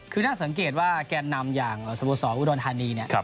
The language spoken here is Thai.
คือน่าสังเกตว่าแกนนำอย่างสโมสรอุดรธานีเนี่ย